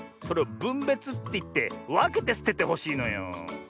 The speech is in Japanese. それをぶんべつっていってわけてすててほしいのよ。